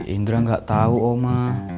indra nggak tau oma